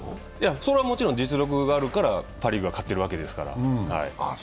それはもちろん実力があるからパ・リーグが勝ってるわけですから。